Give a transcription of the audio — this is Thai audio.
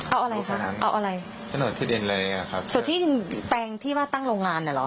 เอาอะไรคะเอาอะไรส่วนที่แปลงที่มาตั้งโรงงานน่ะเหรอ